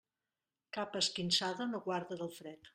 Capa esquinçada no guarda del fred.